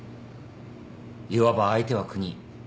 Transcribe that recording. いわば相手は国。